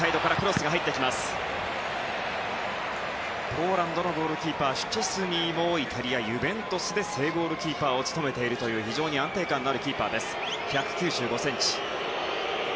ポーランドのゴールキーパーシュチェスニーもイタリア、ユベントスで正ゴールキーパーを務めている非常に安定感があるキーパーです。